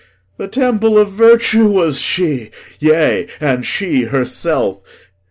The temple Of virtue was she; yea, and she herself.